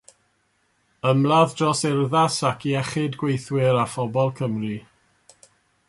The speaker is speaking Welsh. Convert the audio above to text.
Ymladd dros urddas ac iechyd gweithwyr a phobl Cymru.